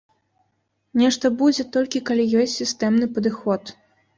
Нешта будзе толькі, калі ёсць сістэмны падыход.